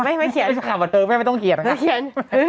ไม่ไม่เขียนไม่ต้องเขียนไม่ต้องเขียนไม่เขียน